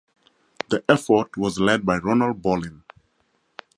The effort was led by Ronald Bolin.